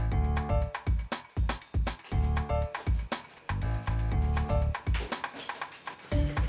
jangan jika eva enggak di rumah